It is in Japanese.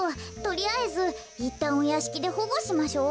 とりあえずいったんおやしきでほごしましょ。